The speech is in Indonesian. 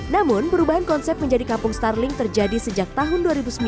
namun perubahan konsep menjadi kampung starling terjadi sejak tahun dua ribu sembilan